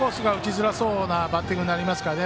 づらそうなバッティングになりますからね。